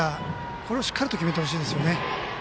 これをしっかり決めてほしいです。